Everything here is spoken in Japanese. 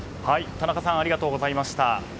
田中さんありがとうございました。